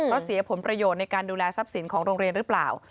เพราะเสียผลประโยชน์ในการดูแลทรัพย์สินของโรงเรียนหรือเปล่า